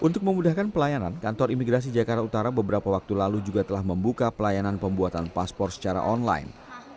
untuk memudahkan pelayanan kantor imigrasi jakarta utara beberapa waktu lalu juga telah membuka pelayanan pembuatan paspor secara online